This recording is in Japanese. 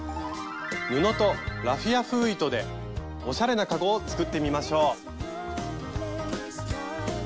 布とラフィア風糸でおしゃれなかごを作ってみましょう！